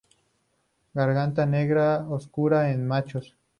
Garganta negra oscura en machos.